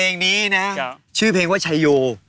เพลงนี้นะชื่อเพลงว่าชายโย